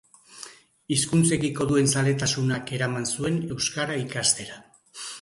Hizkuntzekiko duen zaletasunak eraman zuen euskara ikastera.